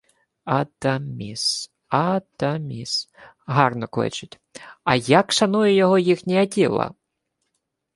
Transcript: — Адаміс... Адаміс... Гарно кличуть. А як шанує його їхній Аттіла?